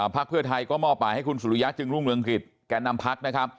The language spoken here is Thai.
พักเพื่อไทยบอกให้ห์คุณสุริยะจึงรุ่งดังขิตแกะนำพัก